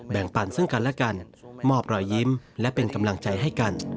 แบ่งปันซึ่งกันและกันมอบรอยยิ้มและเป็นกำลังใจให้กัน